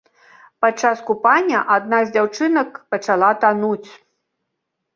Падчас купання адна з дзяўчынак пачала тануць.